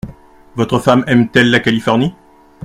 Votre femme aime-t-elle la Californie ?